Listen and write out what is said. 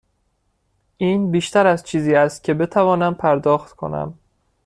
این بیشتر از چیزی است که بتوانم پرداخت کنم.